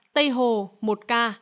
tây hồ một ca